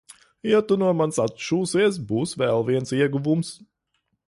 Ja tu no manis atšūsies, būs vēl viens ieguvums.